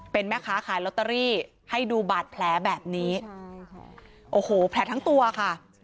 เป็นแม่ค้าขายลอตเตอรี่ให้ดูบาดแผลแบบนี้โอ้โหแผลทั้งตัวค่ะ